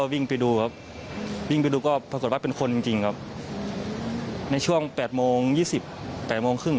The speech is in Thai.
วิ่งไปดูครับวิ่งไปดูก็ปรากฏว่าเป็นคนจริงครับในช่วง๘โมง๒๘โมงครึ่ง